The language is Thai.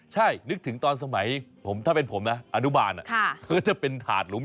ใช่นึกถึงตอนสมัยถ้าเป็นผมนะอนุบาลนะ